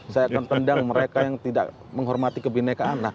saya akan tendang mereka yang tidak menghormati kebinekaan